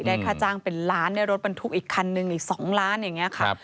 ได้ค่าจ้างเป็นล้านรถมันทุกอีกคันหนึ่งอีก๒ล้านอย่างนี้